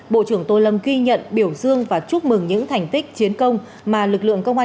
bộ trưởng tô lâm ghi nhận biểu dương và chúc mừng những thành tích chiến công mà lực lượng công an